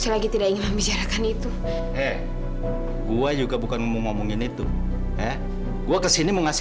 lalu udah pergi